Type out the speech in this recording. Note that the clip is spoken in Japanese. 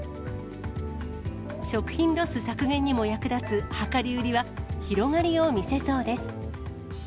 食品ロス削減にも役立つ量り売りは、広がりを見せそうです。